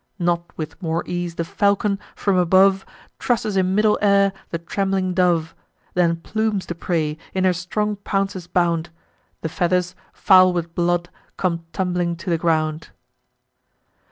Not with more ease the falcon, from above, Trusses in middle air the trembling dove, Then plumes the prey, in her strong pounces bound: The feathers, foul with blood, come tumbling to the ground.